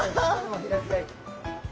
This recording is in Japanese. いらっしゃい。